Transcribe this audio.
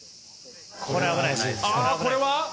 あー、これは？